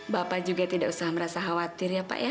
bapak juga tidak usah merasa khawatir ya pak ya